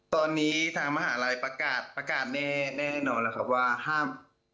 ตอนนี้ทางมหาลัยประกาศแน่นอนแล้วครับว่าห้าม